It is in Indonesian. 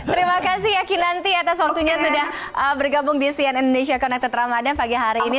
terima kasih ya kinanti atas waktunya sudah bergabung di cn indonesia connected ramadhan pagi hari ini